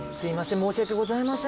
申し訳ございません。